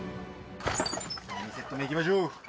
２セット目いきましょう。